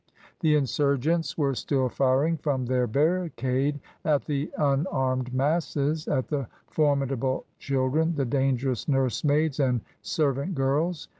The insurgents were still firing from their barricade at the unarmed masses, at the formidable children, the dangerous nursemaids and servant girls.